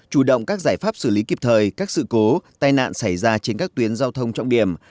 chủ động các giải pháp xử lý kịp thời các sự cố tai nạn xảy ra trên các tuyến giao thông trọng điểm